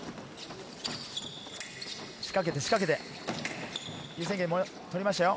仕掛けて仕掛けて、優先権、取りましたよ。